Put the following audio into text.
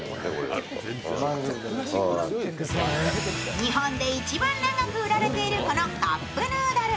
日本で一番長く売られているこのカップヌードル。